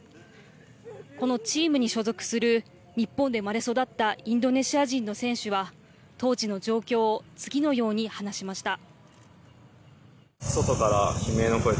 このチームに所属する日本で生まれ育ったインドネシア人の選手は当時の状況を次のように話しました。